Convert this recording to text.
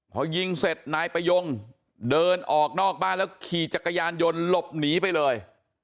พอยิงเสร็จนายประยงเดินออกนอกบ้านแล้วขี่จักรยานยนต์หลบหนีไปเลย